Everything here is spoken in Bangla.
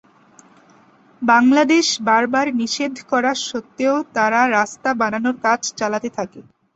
বাংলাদেশ বারবার নিষেধ করা সত্ত্বেও তারা রাস্তা বানানোর কাজ চালাতে থাকে।